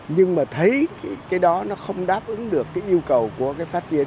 nhưng mà thấy cái đó nó không đáp ứng được cái yêu cầu của cái phát triển